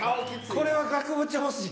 これは額縁欲しい。